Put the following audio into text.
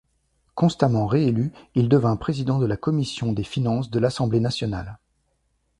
Constamment réélu, il devint président de la Commission des Finances de l'Assemblée nationale.